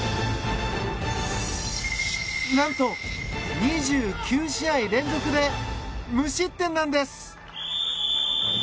何と、２９試合連続で無失点なんです。